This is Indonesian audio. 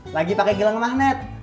lagi pakai gelang magnet